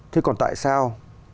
thế còn tại sao